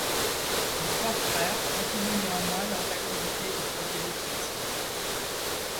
Les trois frères continuent néanmoins leurs activités de prosélytisme.